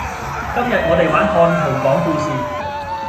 今日我哋玩看圖講故事